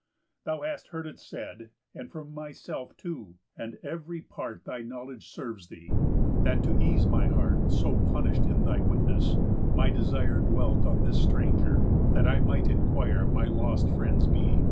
Thou hast heard it said, And from myself too, and ev'ry part Thy knowledge serves thee, that, to ease my heart So punish'd in thy witness, my desire Dwelt on this stranger, that I might inquire My lost friend's being.